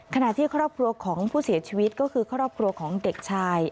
ขณะที่ครอบครัวของผู้เสียชีวิตก็คือครอบครัวของเด็กชาย